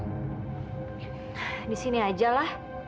disini aja pak saya mau tidur di sini aja pak